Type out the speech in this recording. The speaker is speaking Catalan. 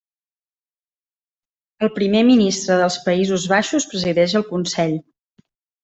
El Primer Ministre dels Països Baixos presideix el Consell.